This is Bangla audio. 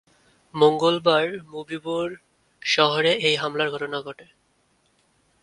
মঙ্গলবার মুবি বোর শহরে এই হামলার ঘটনা ঘটে।